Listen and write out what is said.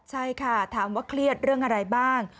ใช่ค่ะถามว่าเครียดเรื่องอะไรบ้าง